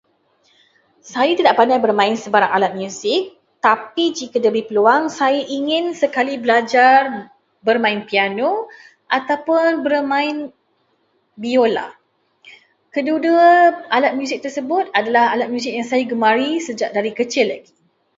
Saya tidak pandai bermain sebarang alat muzik, tapi jika diberi peluang saya ingin sekali belajar bermain piano ataupun bermain biola. Kedua-dua alat muzik tersebut adalah alat muzik yang saya gemari sejak dari kecil lagi.